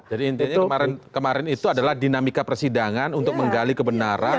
jadi intinya kemarin itu adalah dinamika persidangan untuk menggali kebenaran